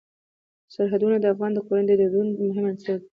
سرحدونه د افغان کورنیو د دودونو مهم عنصر دی.